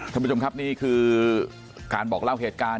ท่านผู้ชมครับนี่คือการบอกเล่าเหตุการณ์